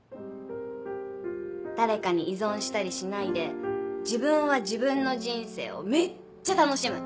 誰かに依存したりしないで自分は自分の人生をめっちゃ楽しむ！